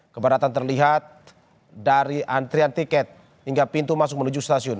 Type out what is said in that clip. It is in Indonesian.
keberatan terlihat dari antrian tiket hingga pintu masuk menuju stasiun